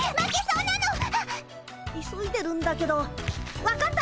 急いでるんだけど分かった！